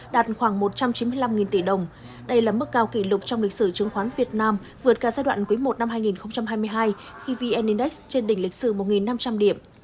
đạt khoảng một trăm chín mươi năm tỷ đồng đây là mức cao kỷ lục trong lịch sử chứng khoán việt nam vượt cả giai đoạn quý i năm hai nghìn hai mươi hai khi vn index trên đỉnh lịch sử một năm trăm linh điểm